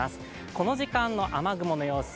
この時間の雨雲の様子